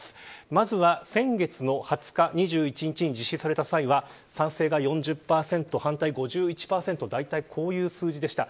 まずは先月の２０日、２１日に実施された際は賛成が４０％、反対５１％だいたい、こういう数字でした。